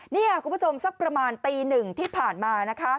นี่คุณผู้ชมสักประมาณตี๑ที่ผ่านมา